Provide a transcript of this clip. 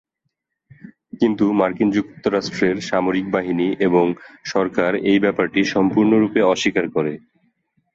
কিন্তু মার্কিন যুক্তরাষ্ট্রের সামরিক বাহিনী এবং সরকার এই ব্যাপারটি সম্পূর্ণরূপে অস্বীকার করে।